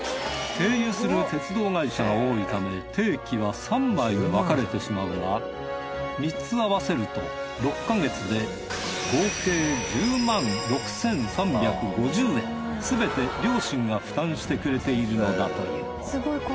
経由する鉄道会社が多いため定期は３枚に分かれてしまうが３つ合わせると６か月ですべて両親が負担してくれているのだという。